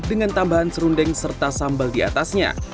dengan tambahan serundeng serta sambal di atasnya